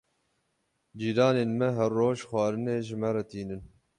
Cîranên me her roj xwarinê ji me re tînin.